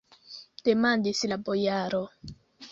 demandis la bojaro.